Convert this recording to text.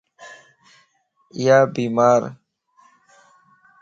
ايا بيمارَ